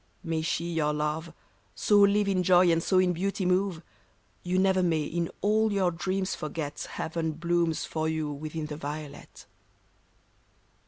May she, your love. So live in joy and so in beauty move, You never may in all your dreams forget Heaven blooms for you within the violet.